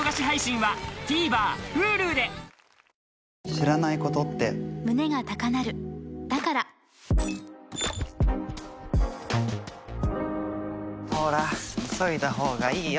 知らないことって胸が高鳴るだからほら急いだほうがいいよ。